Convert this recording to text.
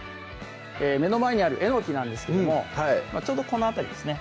目の前にあるえのきなんですけどもちょうどこの辺りですね